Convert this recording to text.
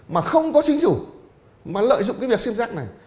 mà không có chính chủ mà lợi dụng cái việc sim giác này